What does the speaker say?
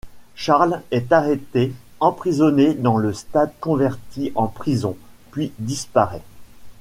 Charles est arrêté, emprisonné dans le stade converti en prison, puis disparaît.